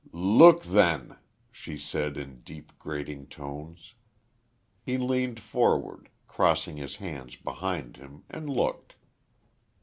"Look, then," she said, in deep, grating tones. He leaned forward, crossing his hands behind him, and looked.